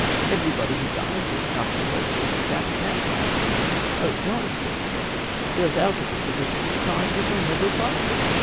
Everybody who dies does not have a ghost walking about his house." "Oh, no!" said the spectre. "There are thousands of positions of the kind which are never applied for.